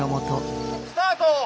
スタート！